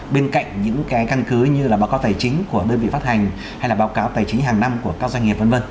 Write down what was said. bên cạnh những cái căn cứ như là báo cáo tài chính của đơn vị phát hành hay là báo cáo tài chính hàng năm của các doanh nghiệp v v